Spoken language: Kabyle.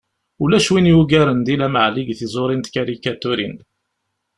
Ulac win yugaren Dilem Ɛli deg tẓuri n tkarikaturin.